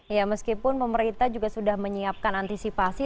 ya meskipun pemerintah juga sudah menyiapkan antisipasi